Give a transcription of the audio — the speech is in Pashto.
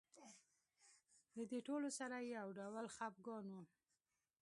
د دې ټولو سره یو ډول خپګان و.